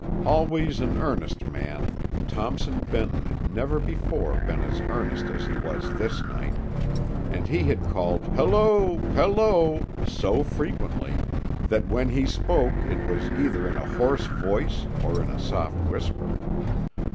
Always an earnest man, Thompson Benton had never before been as earnest as he was this night, and he had called "Halloo! Halloo!" so frequently that when he spoke it was either in a hoarse voice, or in a soft whisper.